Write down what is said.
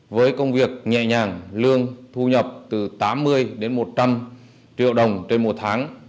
với công việc nhẹ nhàng lương thu nhập từ tám mươi đến một trăm linh triệu đồng trên một tháng